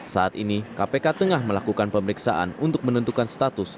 saat ini kpk tengah melakukan pemeriksaan untuk menentukan status